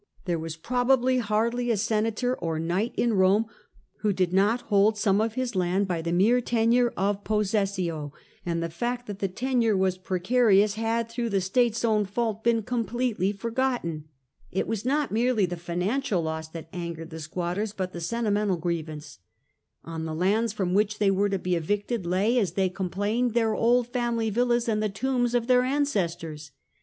There was probably hardly a senator or a knight in Rome who did not hold some of his land by the mere tenure of possession and the fact that the tenure was precarious had (through the state's own fault) been completely forgotten. It was not merely the financial 28 TIBEEIUS GEACCHUS loss that angered the squatters, bnt the feentimental grievance. On the lands from which they were to be evicted lay, as they complained, their old family villas and the tombs of their ancestors.